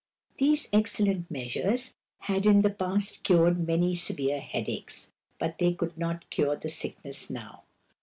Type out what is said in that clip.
These excellent measures had in the past cured many severe headaches. But they could not cure the sickness now.